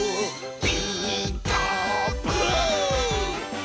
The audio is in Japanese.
「ピーカーブ！」